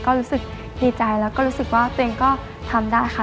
ก็รู้สึกดีใจแล้วก็รู้สึกว่าตัวเองก็ทำได้ค่ะ